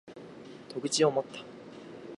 肩口を持った！